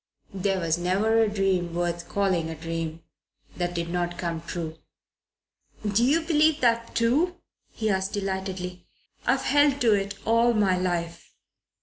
"There was never a dream worth calling a dream that did not come true." "Do you believe that, too?" he asked delightedly. "I've held to it all my life."